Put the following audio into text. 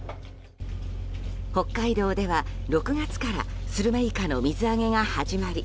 北海道では６月からスルメイカの水揚げが始まり